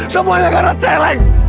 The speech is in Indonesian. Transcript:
semuanya karena celing